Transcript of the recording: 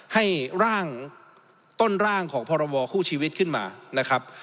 ให้ต้นร่างของพรบคู่ชีวิตขึ้นมา